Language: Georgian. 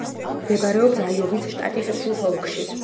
მდებარეობს აიოვის შტატის სუს ოლქში.